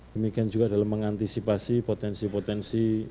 demikian juga dalam mengantisipasi potensi potensi